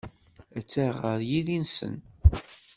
Atta ɣer yiri-nsen.